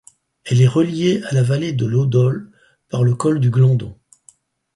Elle est reliée à la vallée de l'Eau d'Olle par le col du Glandon.